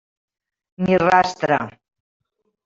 Ni rastre.